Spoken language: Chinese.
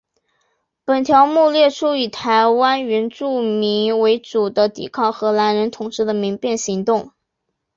本条目列出以台湾原住民为主的抵抗荷兰人统治的民变行动。